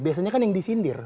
biasanya kan yang disindir